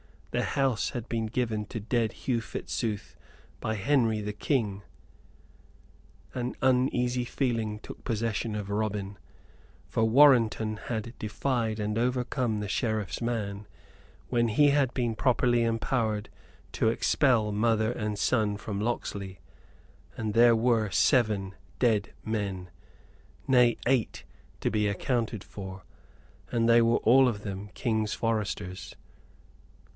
The house had been given to dead Hugh Fitzooth by Henry, the King. An uneasy feeling took possession of Robin, for Warrenton had defied and overcome the Sheriff's man when he had been properly empowered to expel mother and son from Locksley, and there were seven dead men, nay eight, to be accounted for and they were all of them King's Foresters.